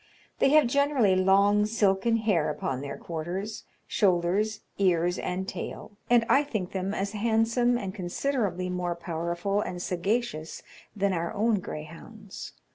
They have generally long silken hair upon their quarters, shoulders, ears, and tail; and I think them as handsome, and considerably more powerful and sagacious, than our own greyhounds.